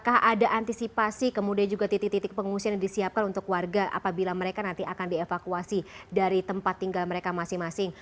apabila mereka nanti akan dievakuasi dari tempat tinggal mereka masing masing